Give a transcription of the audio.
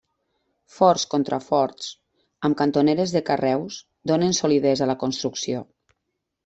Forts contraforts amb cantoneres de carreus donen solidesa a la construcció.